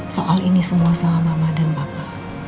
soal ini semua sama mama dan bapak